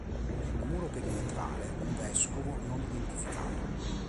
Sul muro perimetrale un vescovo non identificato.